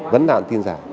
vẫn làm tin giả